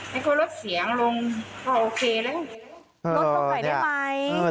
และก็ลดเสียงลงก็โอเคเลย